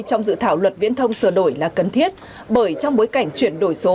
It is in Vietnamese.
trong dự thảo luật viễn thông sửa đổi là cần thiết bởi trong bối cảnh chuyển đổi số